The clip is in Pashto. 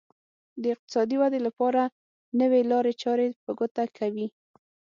د اقتصادي ودې لپاره نوې لارې چارې په ګوته کوي.